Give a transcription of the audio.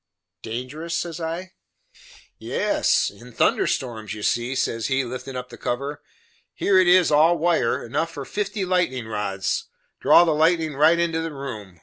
"Dangerous?" says I. "Yes, in thunder storms, you see;" says he, liftin' up the cover, "here it is all wire, enough for fifty lightnin' rods draw the lightnin' right into the room.